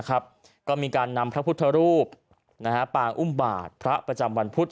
ก็มีการนำพระพุทธรูปปางอุ้มบาทพระประจำวันพุธ